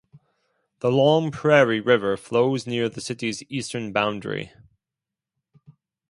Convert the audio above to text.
The Long Prairie River flows near the city's eastern boundary.